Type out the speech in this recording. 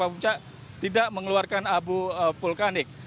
puncak tidak mengeluarkan abu vulkanik